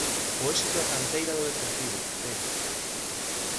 O éxito da canteira do Deportivo, Terio.